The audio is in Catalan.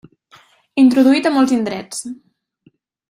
Introduït a molts indrets.